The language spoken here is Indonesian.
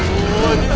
kita dari sini